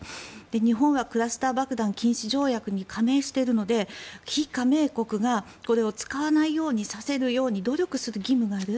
日本はクラスター爆弾禁止条約に加盟しているので非加盟国がこれを使わないようにさせるように努力する義務がある。